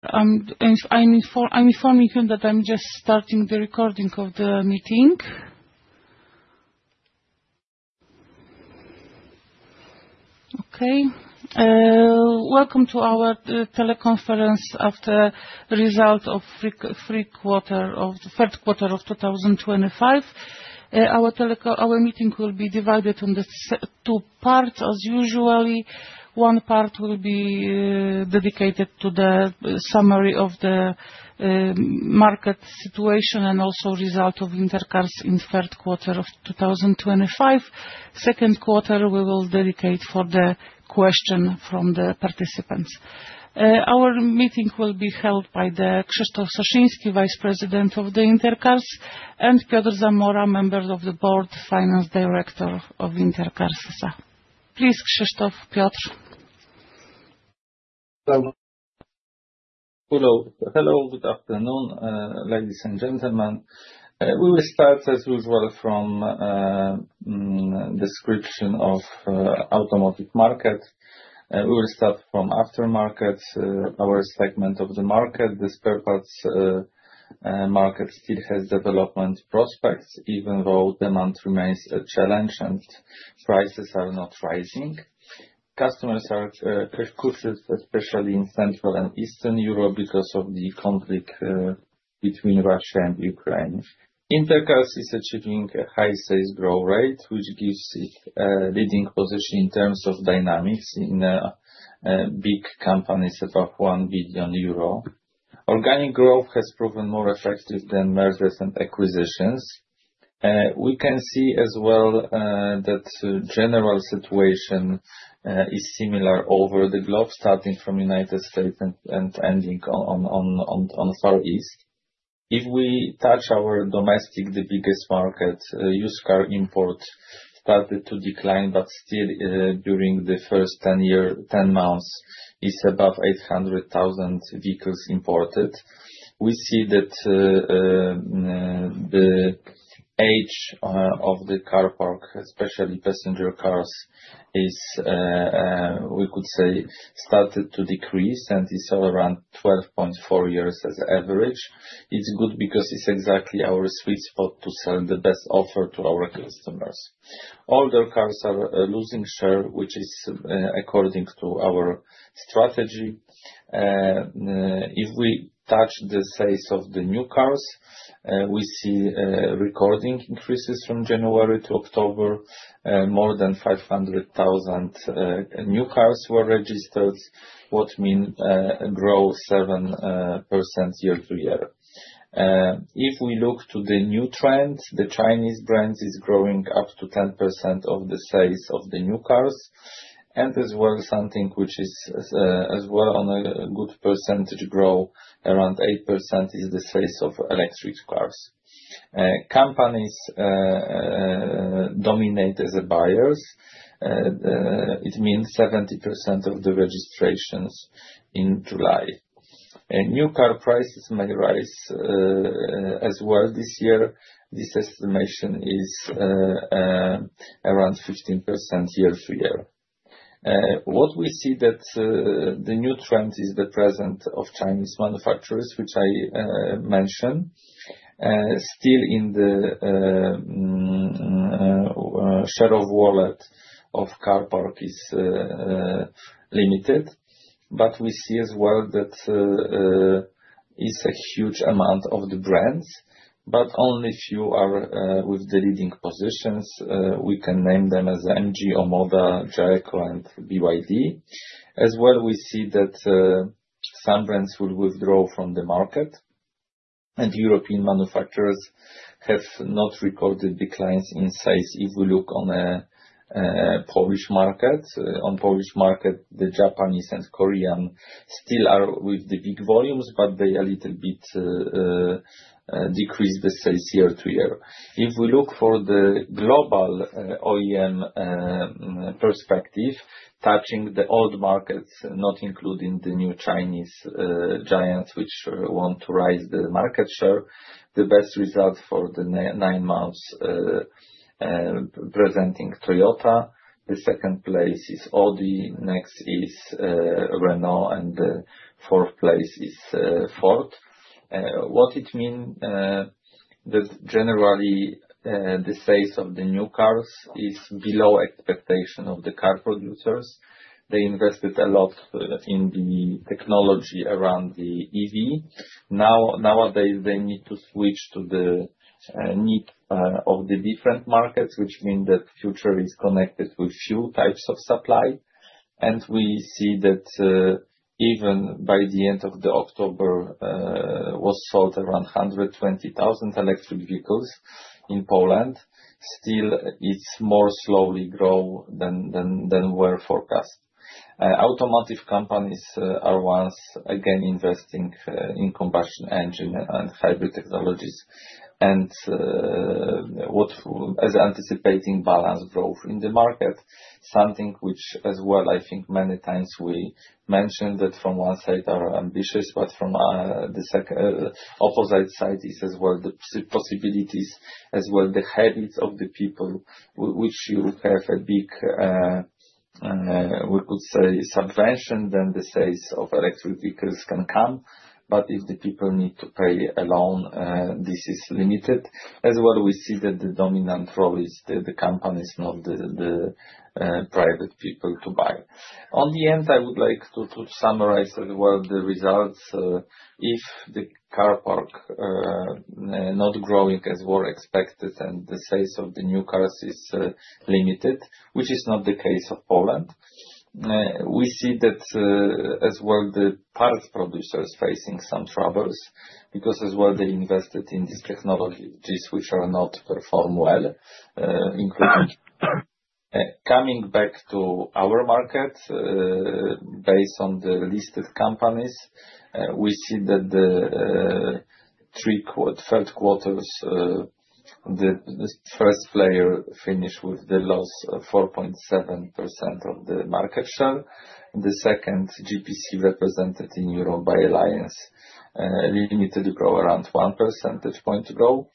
I'm informing you that I'm just starting the recording of the meeting. Okay. Welcome to our teleconference after results of the third quarter of 2025. Our meeting will be divided into two parts as usual. One part will be dedicated to the summary of the market situation and also results of Inter Cars in third quarter of 2025. Second part, we will dedicate to the questions from the participants. Our meeting will be held by Krzysztof Soszyński, Vice President of the Inter Cars, and Piotr Zamora, Member of the Board, Finance Director of Inter Cars S.A. Please, Krzysztof, Piotr. Hello. Good afternoon, ladies and gentlemen. We will start as usual from description of automotive market. We will start from aftermarket, our segment of the market. The spare parts market still has development prospects even though demand remains a challenge and prices are not rising. Customers are cautious, especially in Central and Eastern Europe because of the conflict between Russia and Ukraine. Inter Cars is achieving a high sales growth rate, which gives it a leading position in terms of dynamics in big companies above 1 billion euro. Organic growth has proven more effective than mergers and acquisitions. We can see as well that general situation is similar over the globe, starting from United States and ending on Far East. If we touch our domestic, the biggest market, used car import started to decline, but still, during the first 10 months is above 800,000 vehicles imported. We see that the age of the car park, especially passenger cars, is, we could say, started to decrease and is around 12.4 years as average. It's good because it's exactly our sweet spot to sell the best offer to our customers. Older cars are losing share, which is according to our strategy. If we touch the size of the new cars, we see record increases from January to October. More than 500,000 new cars were registered, which means growth 7% year-to-year. If we look to the new trend, the Chinese brand is growing up to 10% of the sales of the new cars. As well, something which is as well on a good percentage growth, around 8%, is the sales of electric cars. Companies dominate as buyers. It means 70% of the registrations in July. New car prices may rise as well this year. This estimation is around 15% year-to-year. What we see that the new trend is the presence of Chinese manufacturers, which I mentioned. Still in the share of wallet of car park is limited. We see as well that it's a huge amount of the brands, but only few are with the leading positions. We can name them as MG, OMODA, JAECOO, and BYD. As well, we see that some brands will withdraw from the market. European manufacturers have not recorded declines in size if we look on Polish market. On Polish market, the Japanese and Korean still are with the big volumes, but they a little bit decrease the sales year-to-year. If we look for the global OEM perspective, touching the old markets, not including the new Chinese giants, which want to rise the market share, the best result for the nine months presenting Toyota. The second place is Audi, next is Renault, and the fourth place is Ford. What it mean that generally the sales of the new cars is below expectation of the car producers. They invested a lot in the technology around the EV. Now, nowadays, they need to switch to the needs of the different markets, which mean that future is connected with few types of supply. We see that even by the end of October was sold around 120,000 electric vehicles in Poland. Still, it's growing more slowly than was forecast. Automotive companies are once again investing in combustion engine and hybrid technologies. As anticipating balanced growth in the market, something which as well, I think many times we mentioned that from one side are ambitious, but from the opposite side is as well the possibilities, as well the habits of the people which have a big, we could say, subtraction than the sales of electric vehicles can come. If the people need to pay a loan, this is limited. As well, we see that the dominant role is the companies, not the private people to buy. In the end, I would like to summarize as well the results. If the car park not growing as were expected and the sales of the new cars is limited, which is not the case of Poland, we see that as well, the parts producers facing some troubles because as well, they invested in these technologies which are not perform well, including. Coming back to our market, based on the listed companies, we see that the third quarter, the first player finished with the loss of 4.7% of the market share. The second, GPC, represented in Europe by Alliance, limited growth around one percentage point growth.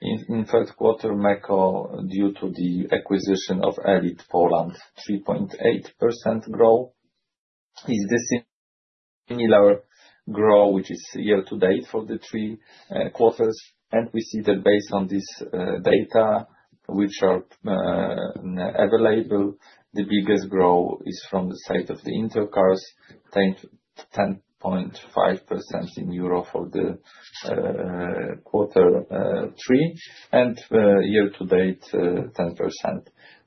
In third quarter, MEKO, due to the acquisition of Elit Polska, 3.8% growth. This is similar growth which is year-to-date for the three quarters. We see that based on this data which are available, the biggest growth is from the side of the Inter Cars, 10.5% in Euro for the quarter three, and year-to-date 10%,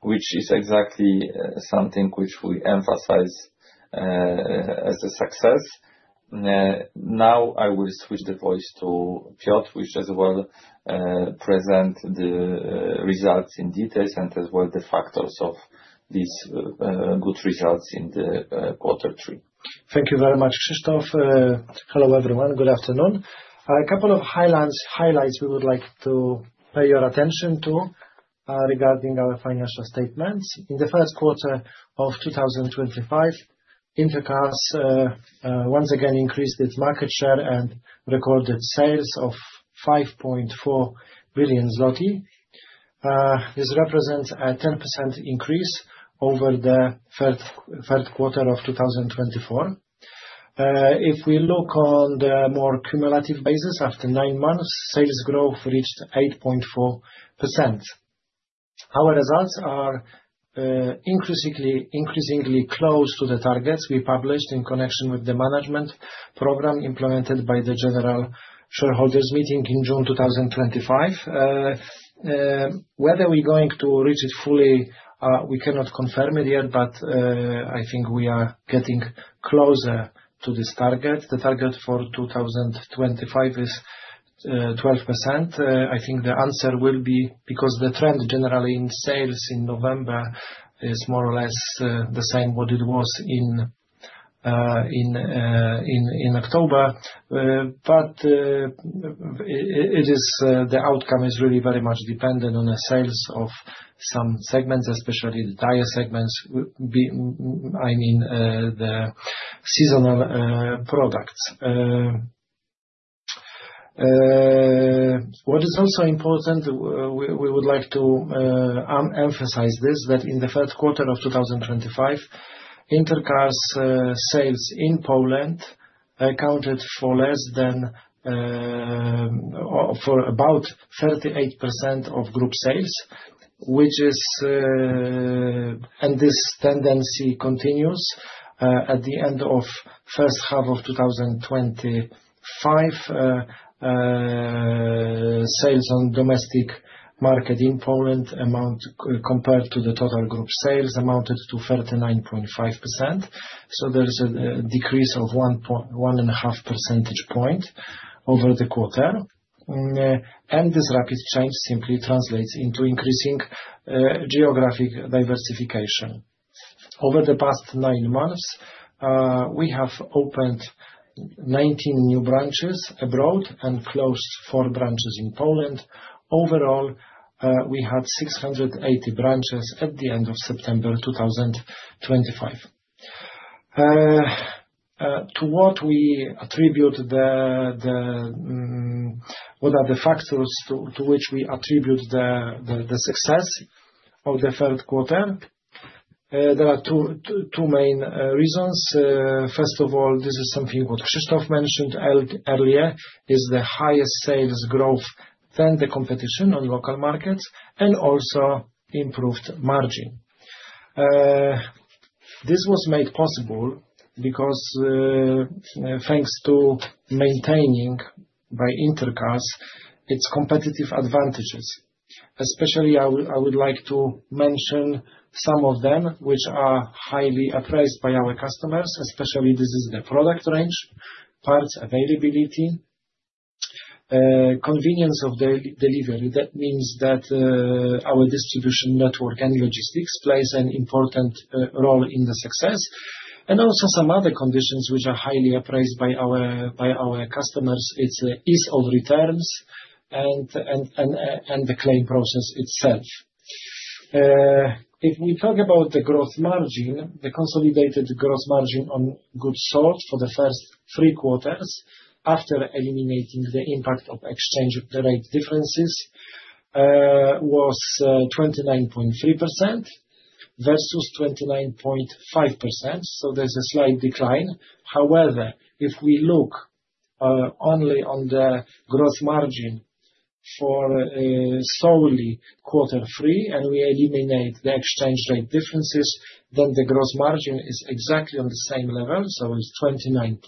which is exactly something which we emphasize as a success. Now I will switch the voice to Piotr, who as well present the results in details and as well the factors of these good results in the quarter three. Thank you very much, Krzysztof. Hello, everyone. Good afternoon. A couple of highlights we would like to pay your attention to, regarding our financial statements. In the first quarter of 2025, Inter Cars once again increased its market share and recorded sales of 5.4 billion zloty. This represents a 10% increase over the third quarter of 2024. If we look on the more cumulative basis, after nine months, sales growth reached 8.4%. Our results are increasingly close to the targets we published in connection with the management program implemented by the general shareholders meeting in June 2025. Whether we're going to reach it fully, we cannot confirm it yet, but I think we are getting closer to this target. The target for 2025 is 12%. I think the answer will be because the trend generally in sales in November is more or less the same what it was in October. It is the outcome is really very much dependent on the sales of some segments, especially tire segments. We, I mean, the seasonal products. What is also important, we would like to emphasize this, that in the first quarter of 2025, Inter Cars sales in Poland accounted for less than for about 38% of group sales, which is. This tendency continues at the end of first half of 2025. Sales on the domestic market in Poland compared to the total group sales amounted to 39.5%. There is a decrease of 1.5 percentage points over the quarter. This rapid change simply translates into increasing geographic diversification. Over the past nine months, we have opened 19 new branches abroad and closed four branches in Poland. Overall, we had 680 branches at the end of September 2025. What are the factors to which we attribute the success of the third quarter? There are two main reasons. First of all, this is something what Krzysztof mentioned earlier, is the highest sales growth than the competition on local markets and also improved margin. This was made possible because, thanks to maintaining by Inter Cars its competitive advantages. Especially I would like to mention some of them which are highly appraised by our customers, especially this is the product range, parts availability. Convenience of delivery. That means that, our distribution network and logistics plays an important role in the success, and also some other conditions which are highly appraised by our customers. It's ease of returns and the claim process itself. If we talk about the gross margin, the consolidated gross margin on goods sold for the first three quarters after eliminating the impact of exchange rate differences, was 29.3% versus 29.5%. There's a slight decline. However, if we look only on the gross margin for solely quarter three and we eliminate the exchange rate differences, then the gross margin is exactly on the same level. It's 29.9%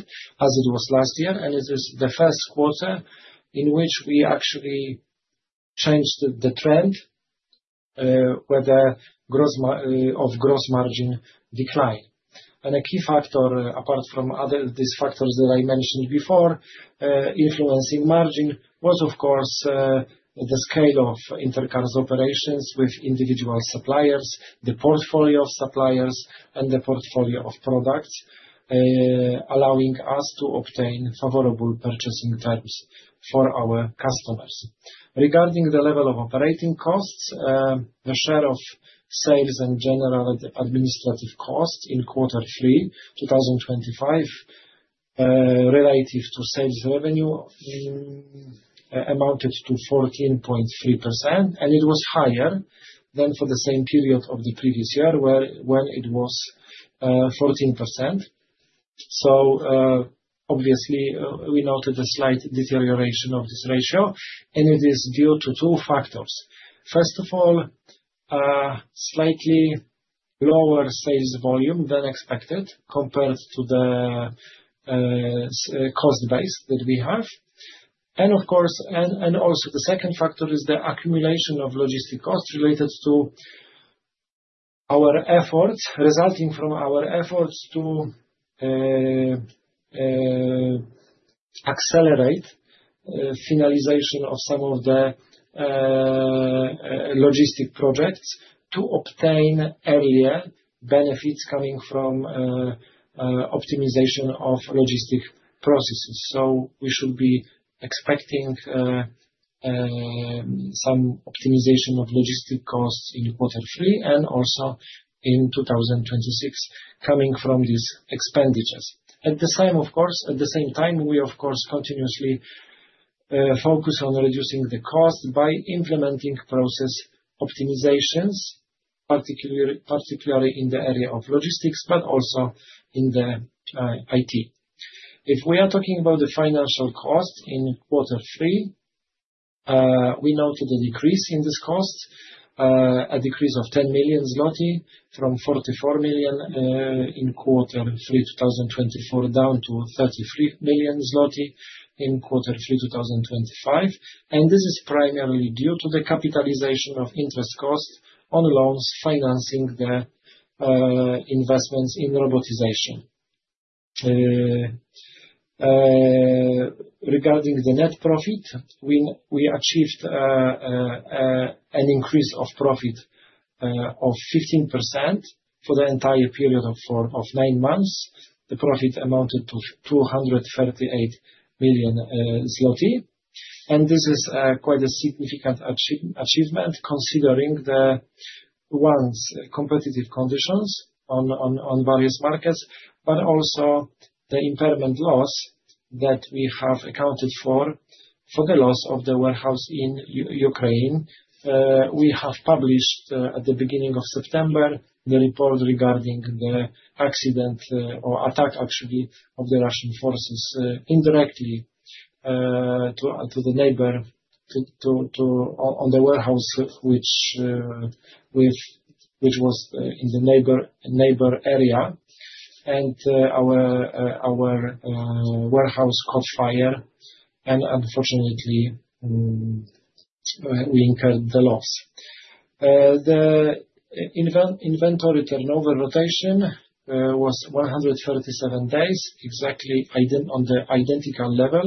as it was last year. It is the first quarter in which we actually changed the trend of gross margin decline. A key factor, apart from these factors that I mentioned before, influencing margin was of course the scale of Inter Cars operations with individual suppliers, the portfolio of suppliers and the portfolio of products allowing us to obtain favorable purchasing terms for our customers. Regarding the level of operating costs, the share of sales and general administrative costs in quarter three, 2025, relative to sales revenue, amounted to 14.3% and it was higher than for the same period of the previous year where it was 14%. Obviously, we noted a slight deterioration of this ratio, and it is due to two factors. First of all, slightly lower sales volume than expected compared to the cost base that we have. Of course, also the second factor is the accumulation of logistics costs related to our efforts, resulting from our efforts to accelerate finalization of some of the logistics projects to obtain earlier benefits coming from optimization of logistics processes. We should be expecting some optimization of logistics costs in quarter three and also in 2026 coming from these expenditures. At the same time, of course, we continuously focus on reducing the cost by implementing process optimizations, particularly in the area of logistics but also in the IT. If we are talking about the finance cost in quarter three, we noted a decrease in this cost, a decrease of 10 million zloty from 44 million in quarter three 2024, down to 33 million zloty in quarter three 2025. This is primarily due to the capitalization of interest costs on loans financing the investments in robotization. Regarding the net profit, we achieved an increase of profit of 15% for the entire period of nine months. The profit amounted to 238 million zloty. This is quite a significant achievement considering the one's competitive conditions on various markets, but also the impairment loss that we have accounted for for the loss of the warehouse in Ukraine. We have published at the beginning of September the report regarding the accident or attack actually of the Russian forces indirectly on the warehouse which was in the neighboring area. Our warehouse caught fire and unfortunately we incurred the loss. The inventory turnover rotation was 137 days, exactly on the identical level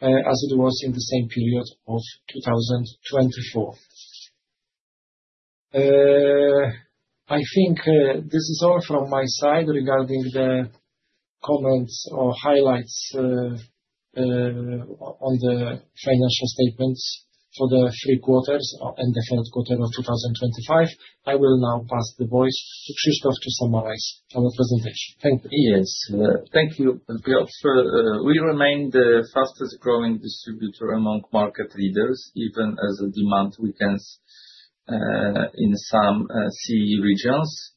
as it was in the same period of 2024. I think this is all from my side regarding the comments or highlights on the financial statements for the three quarters and the first quarter of 2025. I will now pass the voice to Krzysztof to summarize our presentation. Thank you. Yes. Thank you, Piotr. We remain the fastest growing distributor among market leaders, even as the demand weakens in some city regions.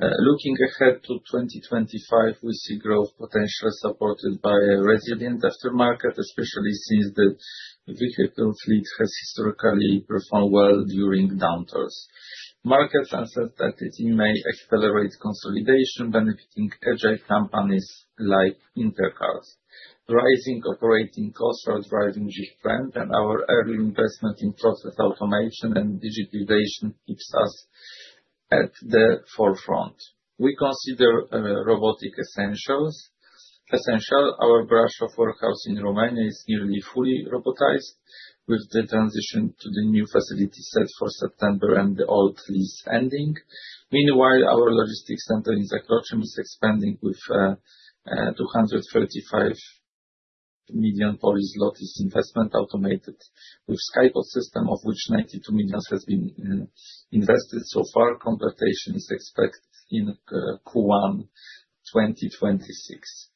Looking ahead to 2025, we see growth potential supported by a resilient aftermarket, especially since the vehicle fleet has historically performed well during downturns. Market sensitivity may accelerate consolidation benefiting agile companies like Inter Cars. Rising operating costs are driving this trend, and our early investment in process automation and digitalization keeps us at the forefront. We consider robotic essentials essential. Our branch of warehouse in Romania is nearly fully robotized with the transition to the new facility set for September and the old lease ending. Meanwhile, our logistics center in Zakroczym is expanding with 235 million investment automated with Skypod system, of which 92 million has been invested so far. Conversion is expected in Q1 2026.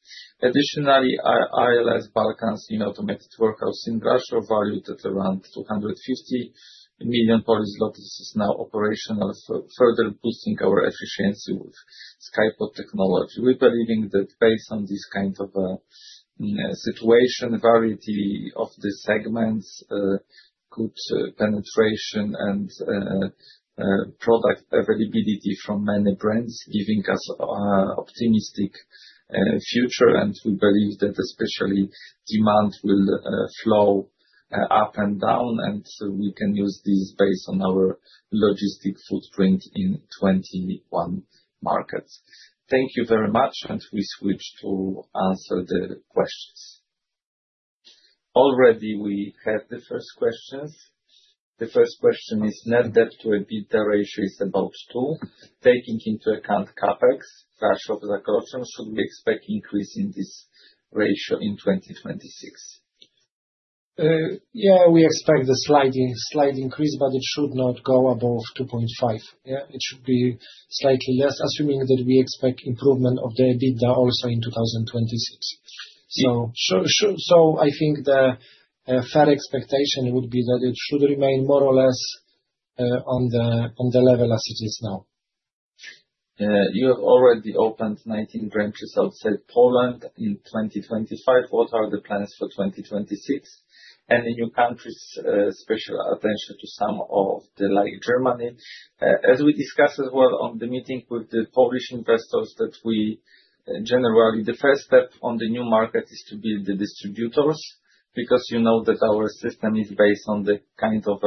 Additionally, our ILS Balkan automated warehouse in Głuszyca valued at around 250 million is now operational, further boosting our efficiency with Skypod technology. We're believing that based on this kind of situation, variety of the segments, good penetration and product availability from many brands giving us optimistic future, and we believe that especially demand will flow up and down, and we can use this based on our logistic footprint in 21 markets. Thank you very much, and we switch to answer the questions. Already we have the first questions. The first question is, net debt to EBITDA ratio is about two. Taking into account CapEx, cash flow generation, should we expect increase in this ratio in 2026? Yeah, we expect a slight increase, but it should not go above 2.5. Yeah. It should be slightly less, assuming that we expect improvement of the EBITDA also in 2026. I think the fair expectation would be that it should remain more or less on the level as it is now. You have already opened 19 branches outside Poland in 2025. What are the plans for 2026? Any new countries, special attention to some, like Germany? As we discussed as well in the meeting with the Polish investors that we generally, the first step on the new market is to build the distributors because you know that our system is based on the kind of,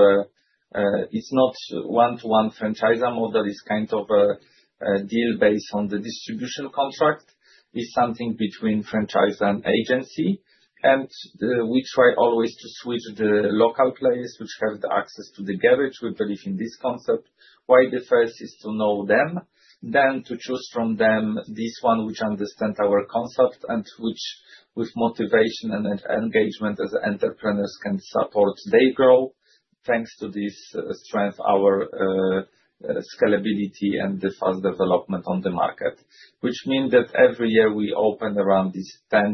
it's not one-to-one franchisor model. It's kind of a deal based on the distribution contract. It's something between franchisor and agency. We try always to switch the local players which have access to the garage. We believe in this concept. Why? The first is to know them, then to choose from them this one which understand our concept and which with motivation and engagement as entrepreneurs can support their growth. Thanks to this strength, our scalability and the fast development on the market, which mean that every year we open around 10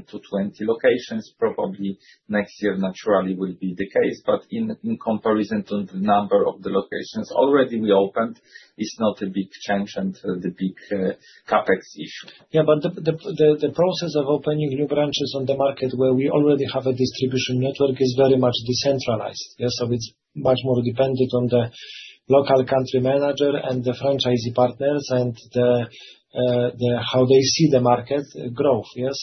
locations-20 locations, probably next year naturally will be the case. In comparison to the number of the locations already we opened, it's not a big change and the big CapEx issue. Yeah, the process of opening new branches on the market where we already have a distribution network is very much decentralized. Yeah. It's much more dependent on the local country manager and the franchisee partners and the how they see the market growth. Yes.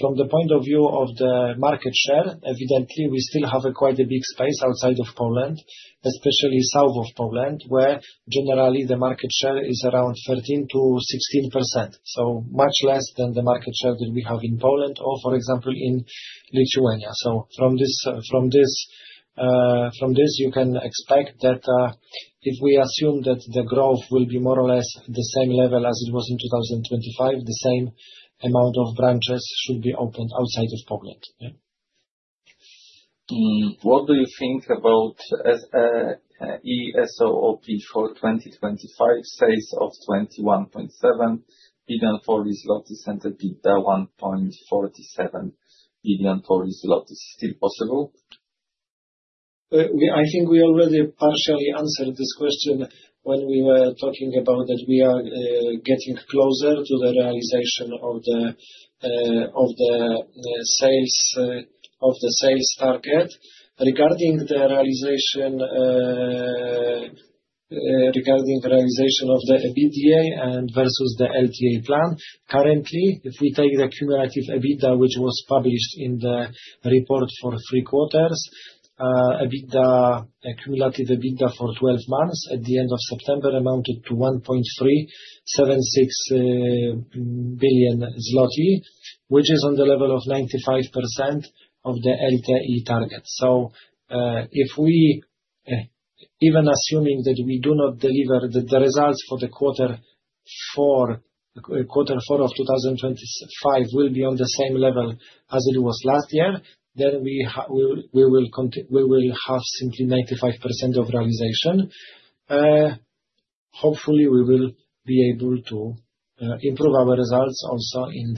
From the point of view of the market share, evidently we still have quite a big space outside of Poland, especially south of Poland, where generally the market share is around 13%-16%, so much less than the market share that we have in Poland or for example, in Lithuania. From this you can expect that, if we assume that the growth will be more or less the same level as it was in 2025, the same amount of branches should be opened outside of Poland. Yeah. What do you think about ESOP for 2025 sales of PLN 21.7 billion and EBITDA PLN 1.47 billion still possible? I think we already partially answered this question when we were talking about that we are getting closer to the realization of the sales target. Regarding the realization of the EBITDA versus the LTIP plan, currently, if we take the cumulative EBITDA, which was published in the report for three quarters, cumulative EBITDA for 12 months at the end of September amounted to 1.376 billion, which is on the level of 95% of the LTIP target. If we even assuming that we do not deliver the results for quarter four, quarter four of 2025 will be on the same level as it was last year. We will have simply 95% of realization. Hopefully, we will be able to improve our results also in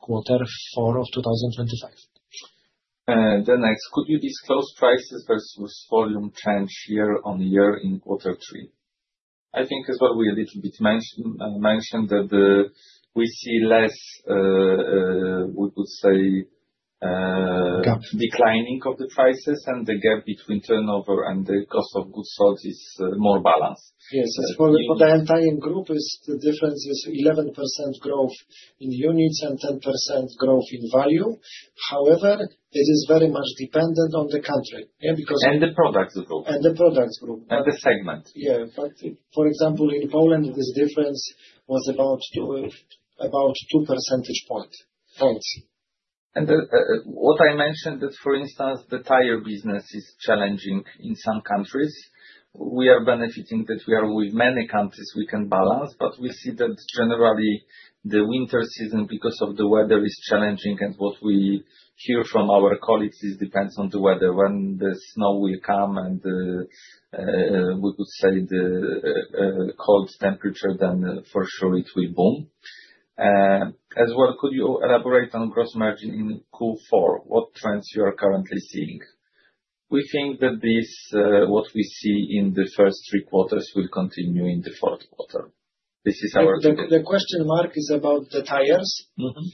quarter four of 2025. Next. Could you disclose prices versus volume change year-on-year in quarter three? I think as well we a little bit mentioned that we could say declining of the prices and the gap between turnover and the cost of goods sold is more balanced. Yes. For the entire group, the difference is 11% growth in units and 10% growth in value. However, it is very much dependent on the country. The product group. The product group. The segment. Yeah. For example, in Poland, this difference was about 2 percentage points. Thanks. What I mentioned that for instance, the tire business is challenging in some countries. We are benefiting that we are with many countries we can balance, but we see that generally the winter season, because of the weather, is challenging and what we hear from our colleagues, it depends on the weather. When the snow will come and, we could say the, cold temperature, then for sure it will boom. As well could you elaborate on gross margin in Q4, what trends you are currently seeing? We think that this, what we see in the first three quarters will continue in the fourth quarter. This is our- The question mark is about the tires. Mm-hmm.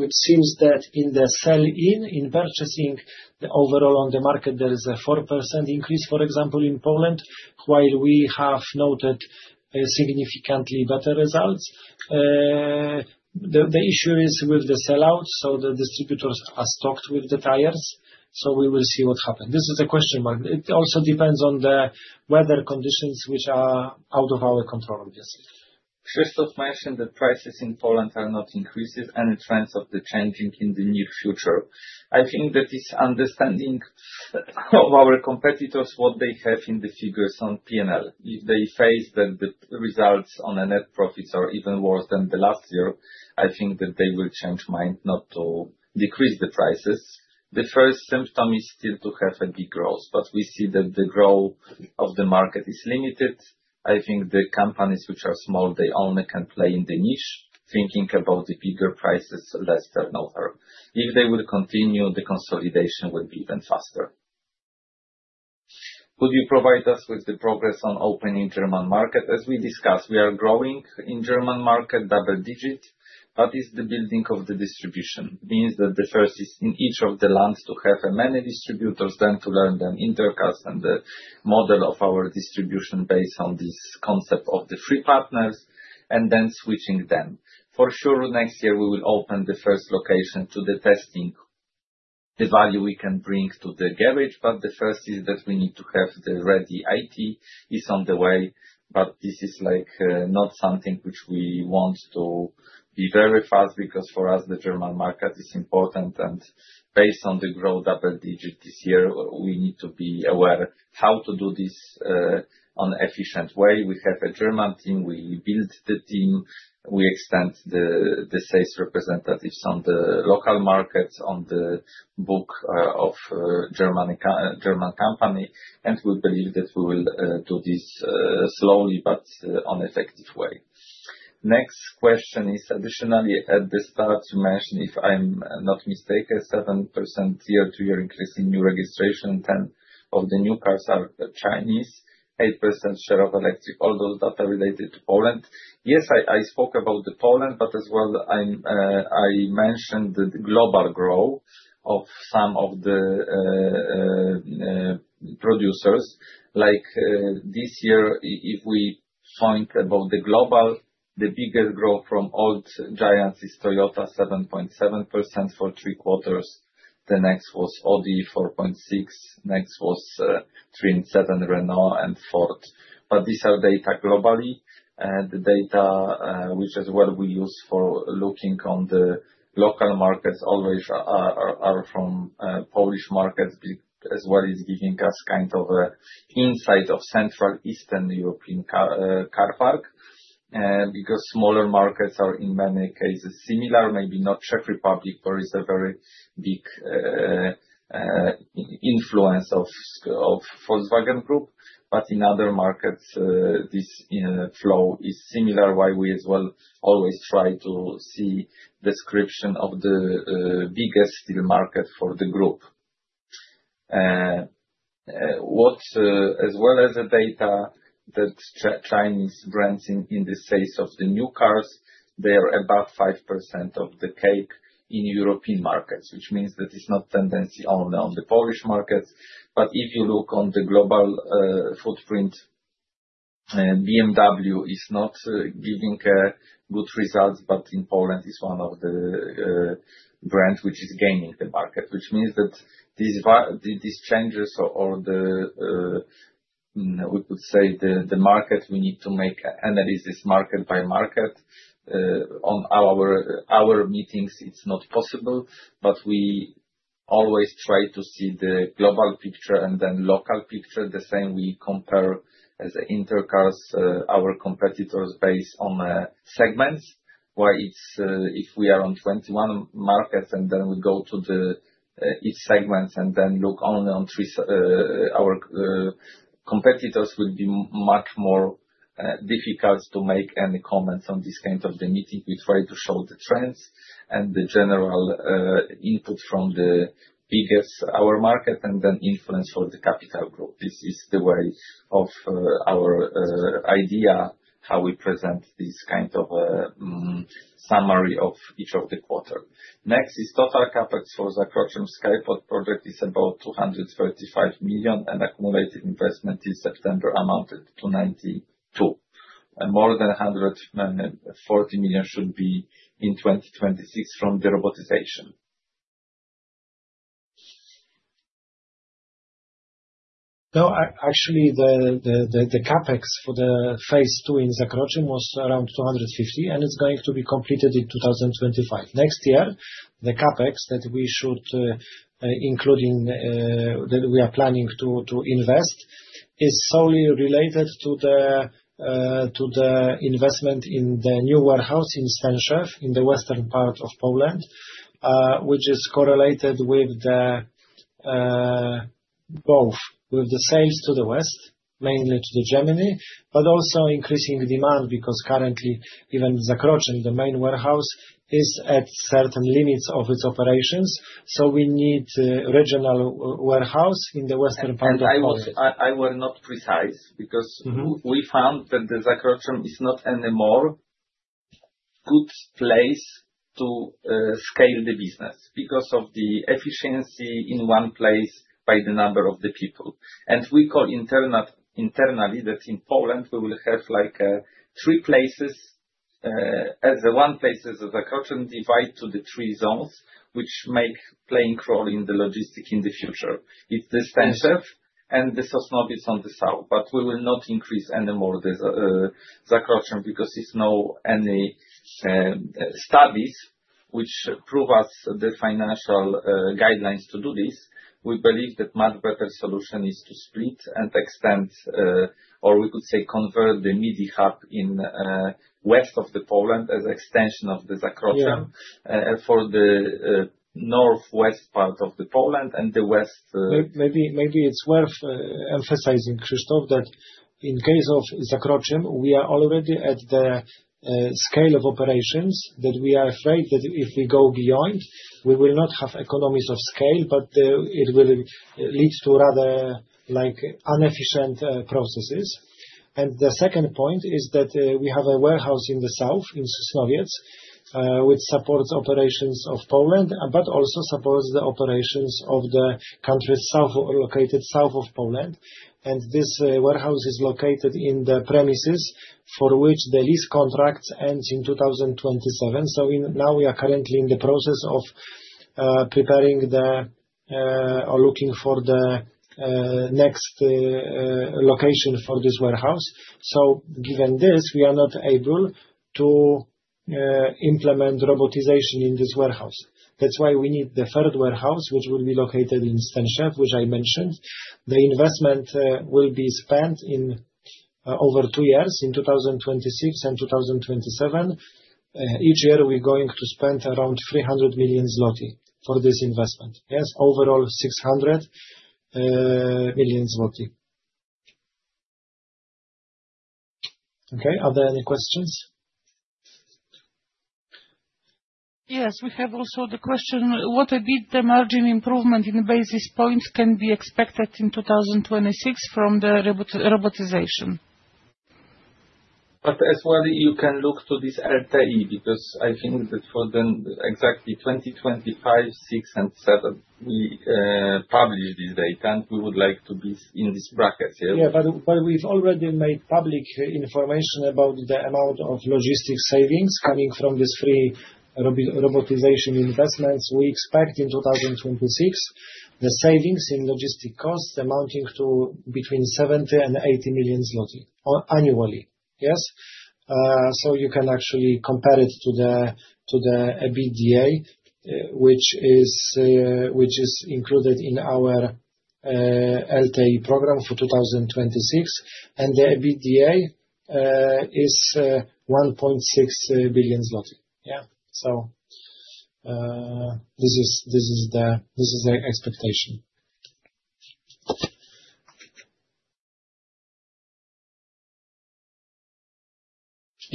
Which seems that in the sell-in, in purchasing overall on the market, there is a 4% increase, for example, in Poland, while we have noted a significantly better results. The issue is with the sell-out, so the distributors are stocked with the tires, so we will see what happen. This is a question mark. It also depends on the weather conditions, which are out of our control, obviously. Krzysztof mentioned the prices in Poland are not increasing and the trends are changing in the near future. I think that's the understanding of our competitors, what they have in the figures on P&L. If they face that the results on net profits are even worse than last year, I think that they will change mind not to decrease the prices. The first symptom is still to have a big growth, but we see that the growth of the market is limited. I think the companies which are small, they only can play in the niche thinking about the bigger prices, less than no harm. If they will continue, the consolidation will be even faster. Could you provide us with the progress on opening German market? As we discussed, we are growing in German market double-digit, but it's the building of the distribution. Means that the first is in each of the lands to have many distributors, then to turn them Inter Cars and the model of our distribution based on this concept of the three partners, and then switching them. For sure, next year we will open the first location to test the value we can bring to the garage, but the first is that we need to have the ready IT. It's on the way, but this is, like, not something which we want to be very fast because for us the German market is important and based on the double-digit growth this year, we need to be aware how to do this, in an efficient way. We have a German team. We build the team. We extend the sales representatives on the local markets, on the back of the German company. We believe that we will do this slowly but in an effective way. Next question is additionally at the start, you mentioned, if I'm not mistaken, 7% year-to-year increase in new registration. 10% of the new cars are Chinese, 8% share of electric, all those data related to Poland. Yes, I spoke about Poland, but as well I mentioned the global growth of some of the producers. Like, this year, if we talk about the global, the biggest growth from old giants is Toyota, 7.7% for three quarters. The next was Audi, 4.6%. Next was 3.7, Renault and Ford. But these are data globally. The data which as well we use for looking on the local markets always are from Polish markets as well as giving us kind of a insight of Central Eastern European car parc. Because smaller markets are in many cases similar, maybe not Czech Republic, there is a very big influence of Volkswagen Group. But in other markets, this, you know, flow is similar, why we as well always try to see description of the biggest single market for the group. As well as the data that Chinese brands in the sales of the new cars, they are about 5% of the cake in European markets, which means that it's not tendency only on the Polish markets. If you look on the global footprint, BMW is not giving good results, but in Poland is one of the brand which is gaining the market. Which means that these changes or the we could say the market, we need to make analysis market by market. On our meetings, it's not possible, but we always try to see the global picture and then local picture. The same we compare as Inter Cars, our competitors based on segments, where it's if we are on 21 markets, and then we go to the each segments and then look only on three our competitors will be much more difficult to make any comments on this kind of the meeting. We try to show the trends and the general input from the biggest of our market and then influence for the capital growth. This is the way of our idea how we present this kind of summary of each of the quarter. Next is total CapEx for Zakroczym Skypod project is about 235 million, and accumulated investment in September amounted to 92 million. More than 140 million should be in 2026 from the robotization. No, actually, the CapEx for phase two in Zakroczym was around PLN 250, and it's going to be completed in 2025. Next year, the CapEx that we are planning to invest is solely related to the investment in the new warehouse in Stęszew, in the western part of Poland, which is correlated with both the sales to the West, mainly to Germany, but also increasing demand because currently even Zakroczym, the main warehouse, is at certain limits of its operations. We need a regional warehouse in the western part of Poland. I was not precise because. Mm-hmm. We found that the Zakroczym is not anymore good place to scale the business because of the efficiency in one place by the number of the people. We call internally that in Poland, we will have, like, three places, as the one places of Zakroczym divide to the three zones, which make playing role in the logistic in the future. It's the Stęszew and the Sosnowiec on the south, but we will not increase any more the Zakroczym because it's no any studies which prove us the financial guidelines to do this. We believe that much better solution is to split and extend, or we could say convert the midi hub in west of the Poland as extension of the Zakroczym- Yeah. For the northwest part of Poland and the west Maybe it's worth emphasizing, Krzysztof, that in case of Zakroczym, we are already at the scale of operations that we are afraid that if we go beyond, we will not have economies of scale, but it will lead to rather, like, inefficient processes. The second point is that we have a warehouse in the south, in Sosnowiec, which supports operations of Poland, but also supports the operations of the countries south of Poland. This warehouse is located in the premises for which the lease contract ends in 2027. Now we are currently in the process of preparing or looking for the next location for this warehouse. Given this, we are not able to implement robotization in this warehouse. That's why we need the third warehouse, which will be located in Stęszew, which I mentioned. The investment will be spent in over two years, in 2026 and 2027. Each year we're going to spend around 300 million zloty for this investment. Yes, overall, 600 million zloty. Okay. Are there any questions? Yes. We also have the question, what about the margin improvement in basis points can be expected in 2026 from the robotization? As well, you can look to this LTIP because I think that for exactly 2025, 2026 and 2027, we publish this data, and we would like to be in this bracket. Yeah. We've already made public information about the amount of logistics savings coming from these three robotization investments. We expect in 2026, the savings in logistics costs amounting to between 70 million and 80 million zloty annually. You can actually compare it to the EBITDA, which is included in our LTIP program for 2026. The EBITDA is 1.6 billion zloty. This is the expectation.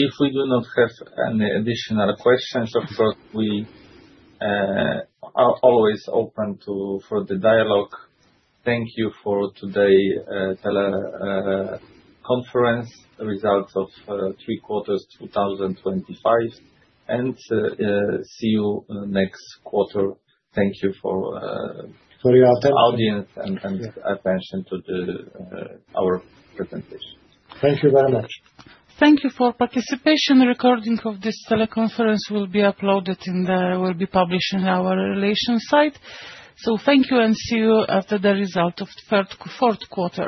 If we do not have any additional questions, of course, we are always open to further dialogue. Thank you for today's teleconference results for three quarters 2025, and see you next quarter. Thank you. For your attention. Audience and attention to our presentation. Thank you very much. Thank you for participation. A recording of this teleconference will be published in our relations site. Thank you, and see you after the result of fourth quarter.